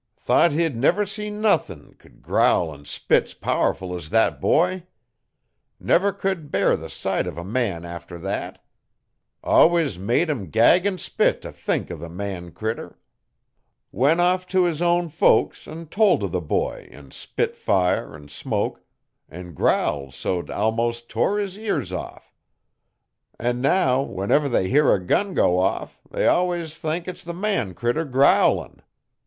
Thought he'd never see nuthin' c'u'd growl 'n spits powerful es thet boy. Never c'u'd bear the sight uv a man after thet. Allwus made him gag 'n spit t' think o' the man critter. Went off tew his own folks 'n tol' o' the boy 'at spit fire 'n smoke 'n growled so't almos' tore his ears off An' now, whenever they hear a gun go off they allwus thank it's the man critter growlin'.